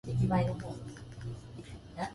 眠すぎる